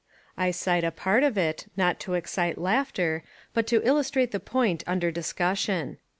I cite a part of it, not to excite laughter, but to illustrate the point under dis cussion.